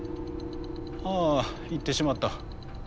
あぁ行ってしまった。